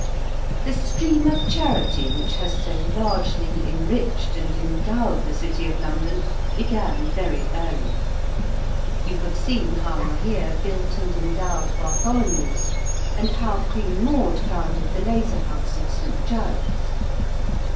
The stream of charity which has so largely enriched and endowed the City of London began very early. You have seen how Rahere built and endowed Bartholomew's, and how Queen Maud founded the Lazar House of St. Giles.